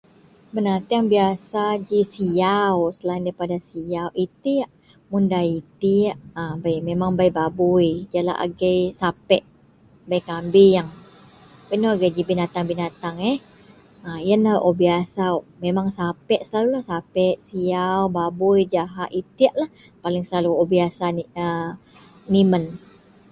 Benateang biasa ji siyau selain daripada siyau, itiek, mun nda itiek a bei memang babui jalak agei sapek, bei kabieng, inou ji agei benateang-benateang eh, a yenlah wak biasa memang sapeklah wak selalulah. Sapek, siyau, babui jalak itieklah paling selalu wak biasa nimen